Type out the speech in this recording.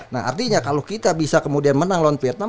nah artinya kalau kita bisa kemudian menang lawan vietnam